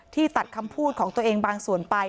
ตัดคำพูดของตัวเองบางส่วนไป